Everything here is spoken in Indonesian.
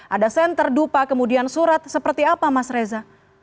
ada senter dupa kemudian surat seperti apa mas reza